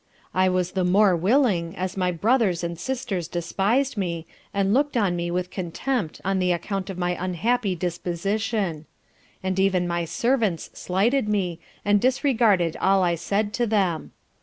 I was the more willing as my brothers and sisters despised me, and looked on me with contempt on the account of my unhappy disposition; and even my servants slighted me, and disregarded all I said to them.